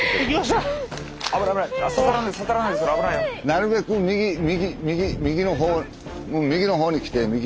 なるべく右右右右のほう右のほうに来て右。